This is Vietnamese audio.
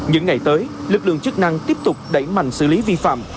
những ngày tới lực lượng chức năng tiếp tục đẩy mạnh xử lý vi phạm